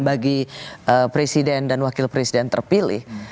bagi presiden dan wakil presiden terpilih